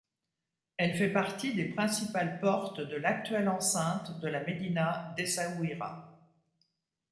Elle fait partie des principales portes de l'actuelle enceinte de la médina d'Essaouira.